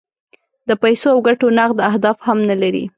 د پیسو او ګټو نغد اهداف هم نه لري.